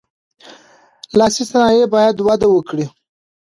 لاسي صنایع باید وده وکړي.